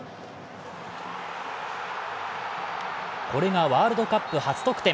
これがワールドカップ初得点。